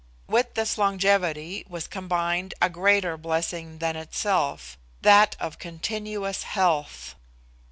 With this longevity was combined a greater blessing than itself that of continuous health.